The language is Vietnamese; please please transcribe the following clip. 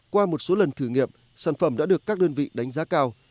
qua một số lần thử nghiệm sản phẩm đã được các đơn vị đánh giá cao